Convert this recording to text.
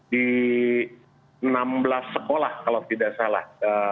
di enam belas sekolah kalau tidak salah